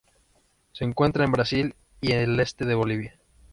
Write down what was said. Se encuentra en Brasil y el este de Bolivia.